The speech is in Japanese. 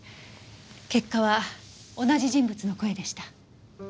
結果は同じ人物の声でした。